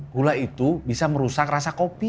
gula itu bisa merusak rasa kopi